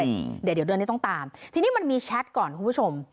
เดี๋ยวเดี๋ยวเดือนนี้ต้องตามทีนี้มันมีแชทก่อนคุณผู้ชม